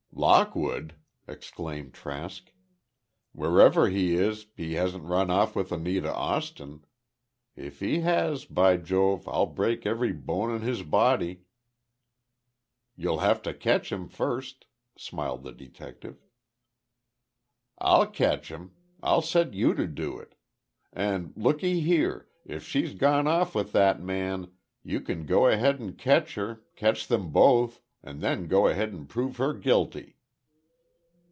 "Lockwood!" exclaimed Trask. "Wherever he is, he hasn't run off with Anita Austin! If he has—by Jove, I'll break every bone in his body!" "You'll have to catch him first," smiled the detective. "I'll catch him! I'll set you to do it. And, looky here, if she's gone off with that man, you can go ahead and catch her, catch them both, and then go ahead and prove her guilty."